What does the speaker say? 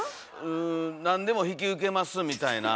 うん何でも引き受けますみたいな。